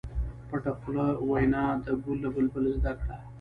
پټه خوله وینا د ګل له بلبل زده کړه.